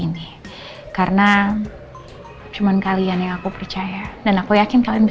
silahkan mbak mbak